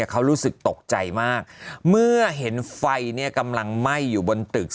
เขารู้สึกตกใจมากเมื่อเห็นไฟกำลังไหม้อยู่บนตึก